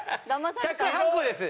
１０８個です。